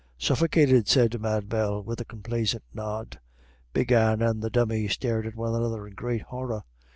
"Stufficated," said Mad Bell, with a complacent nod. Big Anne and the Dummy stared at one another in great horror.